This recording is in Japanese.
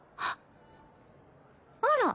あら？